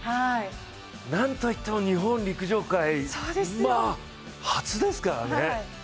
なんといっても日本陸上界初ですからね。